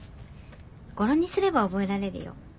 語呂にすれば覚えられるよ。